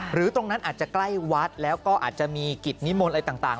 ตรงนั้นอาจจะใกล้วัดแล้วก็อาจจะมีกิจนิมนต์อะไรต่าง